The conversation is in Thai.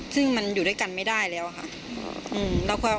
ซึ่งมันอยู่ด้วยกันไม่ได้แล้วค่ะ